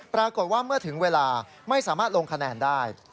ปรากฏว่าเมื่อถึงเวลาไม่สามารถลงคะแนนได้